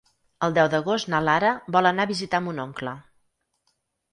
El deu d'agost na Lara vol anar a visitar mon oncle.